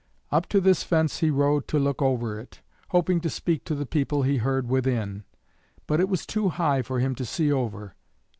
Up to this fence he rode to look over it, hoping to speak to the people he heard within; but it was too high for him to see over.